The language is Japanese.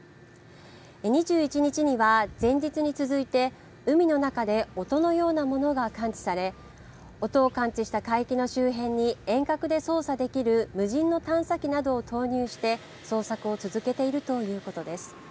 ２１日には前日に続いて海の中で音のようなものが感知され音を感知した海域の周辺に遠隔で操作できる無人の探査機などを投入して捜索を続けているということです。